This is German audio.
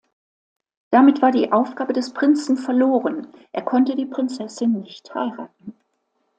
Damit war die Aufgabe des Prinzen verloren, er konnte die Prinzessin nicht heiraten.